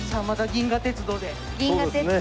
銀河鉄道。